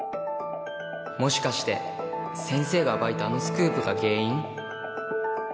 もしかして先生が暴いたあのスクープが原因？